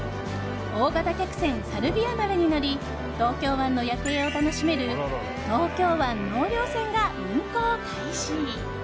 大型客船「さるびあ丸」に乗り東京湾の夜景を楽しめる東京湾納涼船が運航開始。